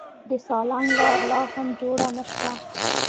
د سالنګ لار لا هم جوړه نه شوه.